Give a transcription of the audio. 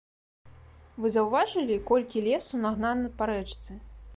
Вы заўважылі, колькі лесу нагнана па рэчцы?